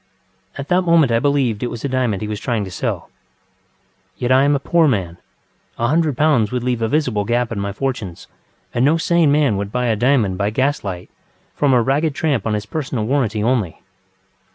At that moment I believed it was a diamond he was trying to sell. Yet I am a poor man, a hundred pounds would leave a visible gap in my fortunes and no sane man would buy a diamond by gaslight from a ragged tramp on his personal warranty only.